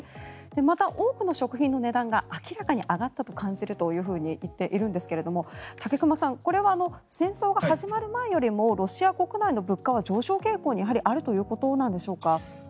また、多くの食品の値段が明らかに上がったと感じるというふうに言っているんですが武隈さんこれは戦争が始まる前よりもロシア国内の物価は上昇傾向にあるということなんでしょうか。